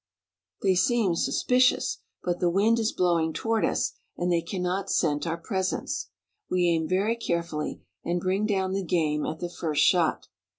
They seem suspicious ; but the wind is blowing toward us, and they cannot scent our presence. We aim very carefully, and bring down the game at the first shot.